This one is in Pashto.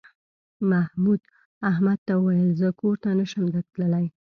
محمود احمد ته وویل زه کور ته نه شم تللی.